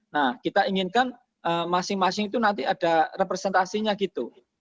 nah kita inginkan masing masing itu nanti ada representasinya gitu